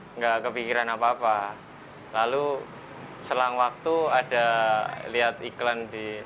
enggak kepikiran apa apa lalu selang waktu ada lihat iklan di